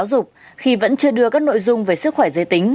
là do giáo dục khi vẫn chưa đưa các nội dung về sức khỏe giới tính